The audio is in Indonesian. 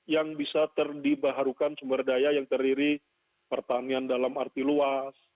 yang bisa terdibaharukan sumber daya yang terdiri pertanian dalam arti luas